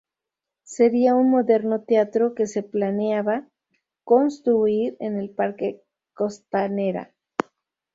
Sería un moderno teatro que se planeaba construir en el Parque Costanera.